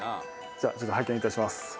「じゃあちょっと拝見いたします」